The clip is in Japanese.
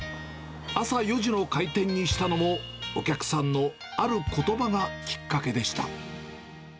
朝４時の開店にしたのも、お客さんのあることばがきっかけでした。